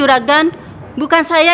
masa lagi rasul ah